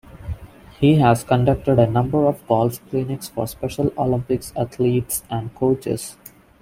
He has conducted a number of golf clinics for Special Olympics athletes and coaches.